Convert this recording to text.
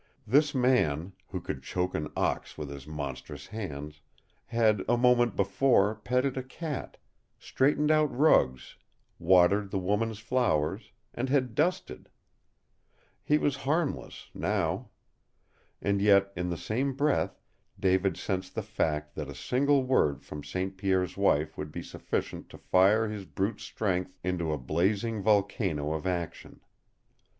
This man, who could choke an ox with his monstrous hands, had a moment before petted a cat, straightened out rugs, watered the woman's flowers, and had dusted. He was harmless now. And yet in the same breath David sensed the fact that a single word from St. Pierre's wife would be sufficient to fire his brute strength into a blazing volcano of action.